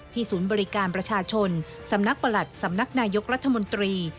ศูนย์บริการประชาชนสำนักประหลัดสำนักนายกรัฐมนตรี